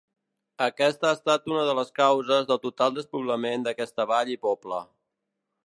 Aquesta ha estat una de les causes del total despoblament d'aquesta vall i poble.